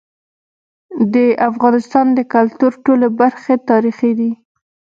د افغانستان د کلتور ټولي برخي تاریخي دي.